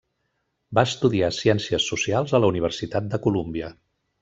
Va estudiar Ciències Socials a la Universitat de Colúmbia.